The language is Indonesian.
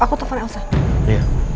aku telfonnya udah telfon